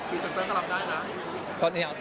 พี่สังเติมก็รับได้นะ